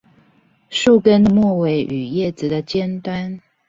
樹根的末尾與葉子的尖端